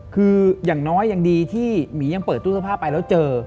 คืออย่างน้อยยังดีที่หมียังเปิดตู้เสื้อผ้าไปแล้วเจอ